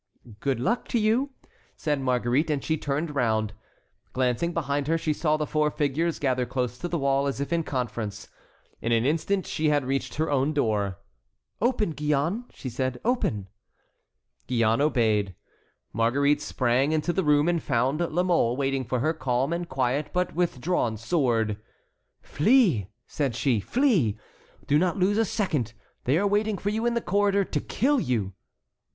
"Good luck to you," said Marguerite, and she turned round. Glancing behind her, she saw the four figures gather close to the wall as if in conference. In an instant she had reached her own door. "Open, Gillonne," said she, "open." Gillonne obeyed. Marguerite sprang into the room and found La Mole waiting for her, calm and quiet, but with drawn sword. "Flee," said she, "flee. Do not lose a second. They are waiting for you in the corridor to kill you."